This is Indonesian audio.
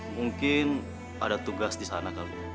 mungkin ada tugas di sana kali